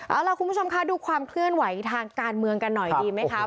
เอาล่ะคุณผู้ชมคะดูความเคลื่อนไหวทางการเมืองกันหน่อยดีไหมคะ